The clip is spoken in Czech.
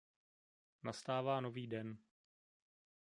Nastává nový den.